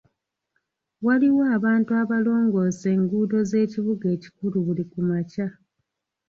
Waliwo abantu abalongoosa enguudo z'ekibuga ekikulu buli kumakya.